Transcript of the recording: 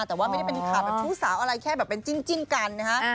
แต่ว่าไม่ได้เป็นข่าวแบบชู้สาวอะไรแค่แบบเป็นจิ้นกันนะฮะ